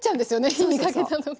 火にかけた時に。